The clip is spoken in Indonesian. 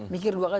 mikir dua kali